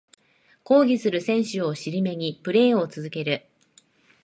抗議する選手を尻目にプレイを続ける